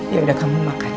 yaudah kamu makan ya